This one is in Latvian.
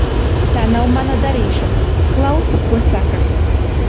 Tā nav mana darīšana. Klausi, ko saka.